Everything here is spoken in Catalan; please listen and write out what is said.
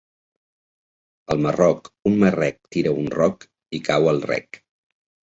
Al Marroc un marrec tira un roc i cau al rec